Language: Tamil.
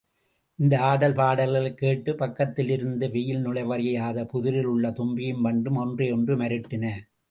இந்த ஆடல் பாடல்களைக் கேட்டுப் பக்கத்திலிருந்த வெயில் நுழைவறியாத புதரில் உள்ள தும்பியும் வண்டும் ஒன்றையொன்று மருட்டின.